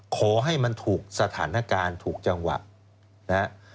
ขอให้มันถูกสถานการณ์ถูกจังหวะนะฮะ